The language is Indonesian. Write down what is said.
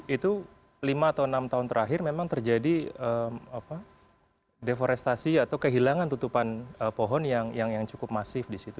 itu lima atau enam tahun terakhir memang terjadi deforestasi atau kehilangan tutupan pohon yang cukup masif di situ